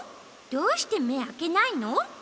どうしてめあけないの？